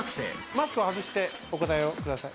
マスクを外してお答えください。